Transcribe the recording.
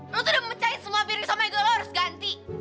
lo tuh udah mecahin semua biru sama ego lo harus ganti